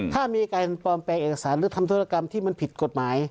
ถ้ามีการปลอมแปลงเอกสารหรือทำธุรกรรมที่มันผิดกฎหมาย